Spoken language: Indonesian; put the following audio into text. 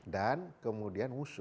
dan kemudian wusu